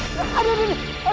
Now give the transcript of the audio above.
aduh aduh aduh aduh